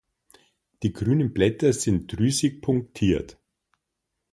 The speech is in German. Die grünen Blätter sind drüsig punktiert.